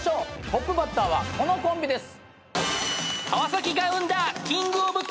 トップバッターはこのコンビです。